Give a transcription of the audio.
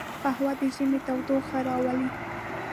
قهوه د ژمي تودوخه راولي